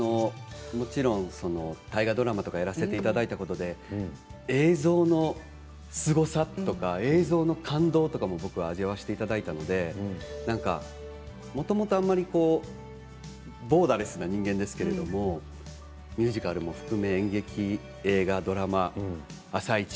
もちろん大河ドラマとかやらせていただいたことで映像のすごさというか映像の感動とかも僕は味わわせていただいたのでもともと僕はボーダーレスな人間ですけれどミュージカルも含め演劇、映画、ドラマ、「あさイチ」。